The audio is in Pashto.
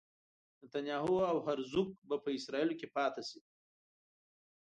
نتنیاهو او هرزوګ به په اسرائیلو کې پاتې شي.